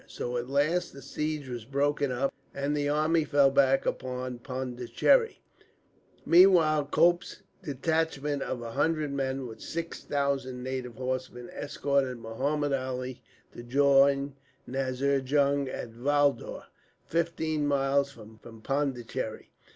So at last the siege was broken up, and the army fell back upon Pondicherry. "Meanwhile Cope's detachment of a hundred men, with six thousand native horsemen, escorted Muhammud Ali to join Nazir Jung at Valdaur, fifteen miles from Pondicherry.